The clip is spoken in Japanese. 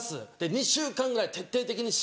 ２週間ぐらい徹底的に調べて。